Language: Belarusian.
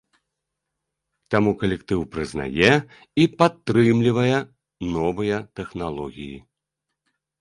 Таму калектыў прызнае і падтрымлівае новыя тэхналогіі.